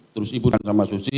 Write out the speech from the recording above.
terus ibu dan sama susi